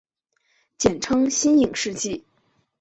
简称新影世纪。